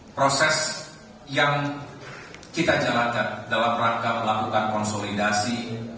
proses yang kita jalankan dalam rangka melakukan konsolidasi